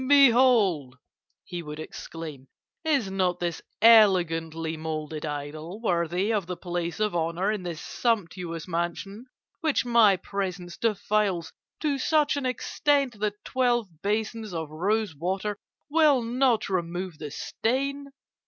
'Behold!' he would exclaim, 'is not this elegantly moulded idol worthy of the place of honour in this sumptuous mansion which my presence defiles to such an extent that twelve basins of rose water will not remove the stain?